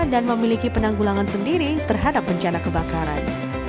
dan memiliki penanggulangan sendiri terhadap bencana kebakaran